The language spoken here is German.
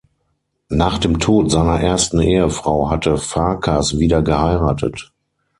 Nach dem Tod seiner ersten Ehefrau hatte Farkas wieder geheiratet.